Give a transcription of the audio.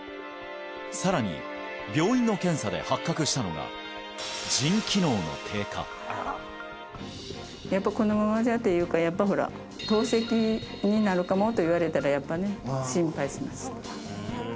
さらに病院の検査で発覚したのが腎機能の低下やっぱこのままじゃっていうかやっぱほら透析になるかもと言われたらやっぱね心配しました